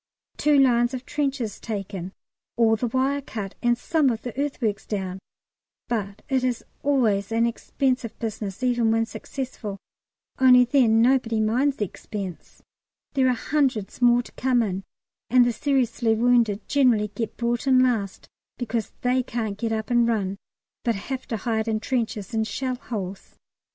Two lines of trenches taken, all the wire cut, and some of the earthworks down; but it is always an expensive business even when successful only then nobody minds the expense. There are hundreds more to come in, and the seriously wounded generally get brought in last, because they can't get up and run, but have to hide in trenches and shell holes.